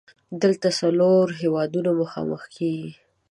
دلته څلور هیوادونه مخامخ کیږي.